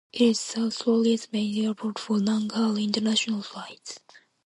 It is South Florida's main airport for long-haul international flights.